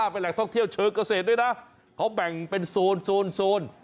เป็นแหล่งท่องเที่ยวเชิงเกษตรด้วยนะเขาแบ่งเป็นโซน